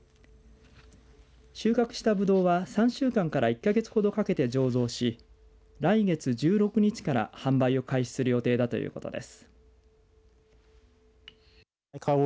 収穫したぶどうは３週間から１か月ほどかけて醸造し来月１６日から販売を開始する予定だということです。